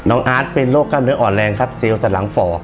อาร์ตเป็นโรคกล้ามเนื้ออ่อนแรงครับเซลลสันหลังฝ่อ